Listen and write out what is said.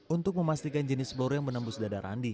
untuk memastikan jenis blor yang menembus dada randi